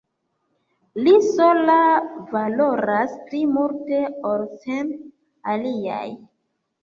Li sola valoras pli multe ol cent aliaj.